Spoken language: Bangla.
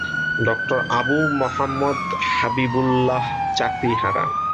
ড আবু মোহাম্মাদ হাবিবুল্লাহ চাকরি হারান।